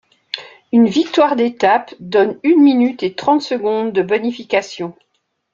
Une victoire d'étape donne une minute et trente secondes de bonification.